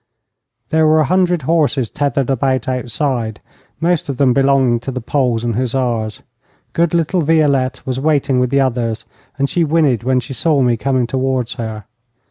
There were a hundred horses tethered about outside, most of them belonging to the Poles and hussars. Good little Violette was waiting with the others, and she whinnied when she saw me coming towards her.